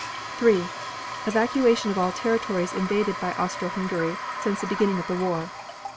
3. Evacuation of all territories invaded by Austro Hungary since the beginning of the war.